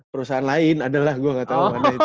perusahaan lain adalah gue nggak tahu mana itu